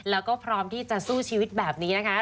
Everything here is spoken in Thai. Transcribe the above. แล้วก็พร้อมที่จะสู้ชีวิตแบบนี้นะคะ